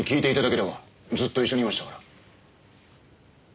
ずっと一緒にいましたから。